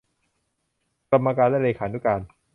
กรรมการและเลขานุการ